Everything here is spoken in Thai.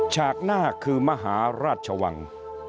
ฉากหน้าคือมหาราชวัง